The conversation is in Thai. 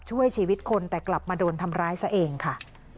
ช่วยชีวิตคนแต่กลับมาโดนทำร้ายซะเองค่ะ